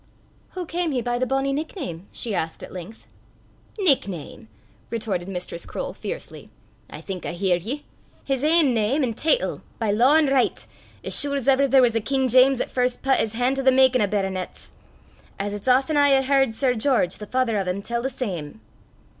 "Hoo cam he by the bonnie nickname?" she asked at length. "Nickname!" retorted Mistress Croale fiercely; "I think I hear ye! His ain name an' teetle by law an' richt, as sure's ever there was a King Jeames 'at first pat his han' to the makin' o' baronets! as it's aften I hae h'ard Sir George, the father o' 'im, tell the same."